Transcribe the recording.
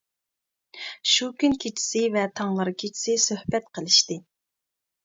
شۇ كۈن كېچىسى ۋە تاڭلا كېچىسى سۆھبەت قىلىشتى.